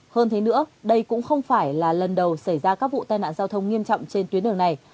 hơn thế nữa đây cũng không phải là lần đầu xảy ra các vụ tai nạn giao thông nghiêm trọng trên tuyến đường này